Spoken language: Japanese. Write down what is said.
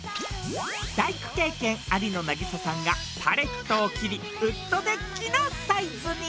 大工経験ありの渚さんがパレットを切りウッドデッキのサイズに。